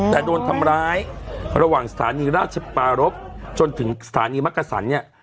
แต่โดนทำร้ายระหว่างสถานีราชปารพจนถึงสถานีมักกษันเนี่ย